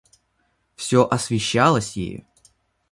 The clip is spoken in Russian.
Всё освещалось ею.